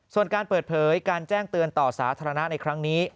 ส่วนการเปิดเผยการแจ้งเตือนต่อสาธารณะในครั้งนี้